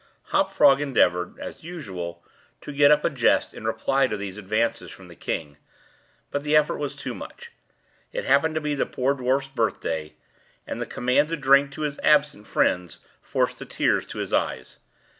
Hop Frog endeavored, as usual, to get up a jest in reply to these advances from the king; but the effort was too much. It happened to be the poor dwarf's birthday, and the command to drink to his "absent friends" forced the tears to his eyes.